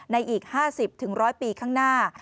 อีก๕๐๑๐๐ปีข้างหน้า